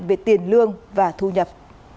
về tiền lương và thu nhập